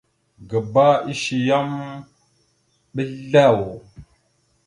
Gǝba ishe yam ɓəzlav.